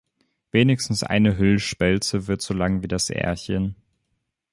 Wenigstens eine Hüllspelze wird so lang wie das Ährchen.